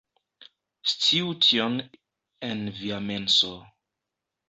Sciu tion en via menso